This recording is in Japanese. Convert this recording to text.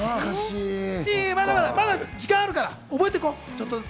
まだまだ時間があるから覚えて行こう。